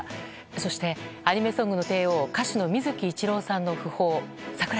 そして、アニメソングの帝王歌手の水木一郎さんの訃報。